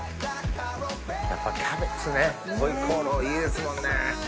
やっぱキャベツねホイコーローいいですもんね。